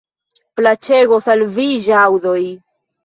Plaĉegos al vi ĵaŭdoj.